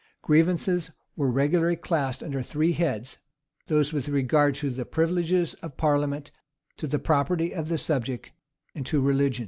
Grievances were regularly classed under three heads; those with regard to privileges of parliament, to the property of the subject, and to religion.